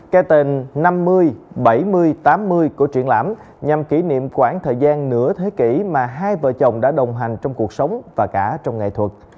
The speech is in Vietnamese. cái tên năm mươi bảy mươi tám mươi của triển lãm nhằm kỷ niệm khoảng thời gian nửa thế kỷ mà hai vợ chồng đã đồng hành trong cuộc sống và cả trong nghệ thuật